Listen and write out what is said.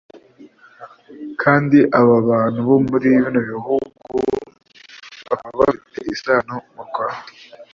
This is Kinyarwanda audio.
kandi aba bantu bo muri bino bihugu bakaba bafite isano nabo mu rwanda,